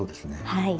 はい。